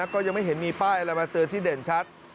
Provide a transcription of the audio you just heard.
ก็ยังไม่เห็นมีป้ายอะไรมาเตือนที่เด่นชัด